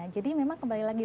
jadi memang kembali lagi